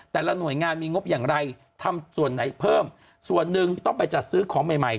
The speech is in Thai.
แต่ละหน่วยงานมีงบอย่างไรทำส่วนไหนเพิ่มส่วนหนึ่งต้องไปจัดซื้อของใหม่ใหม่